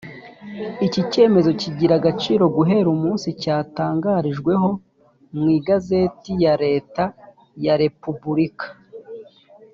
iki cyemezo kigira agaciro guhera umunsi cyatangarijweho mu igazeti ya leta ya repubulika